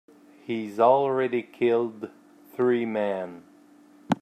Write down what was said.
He's already killed three men.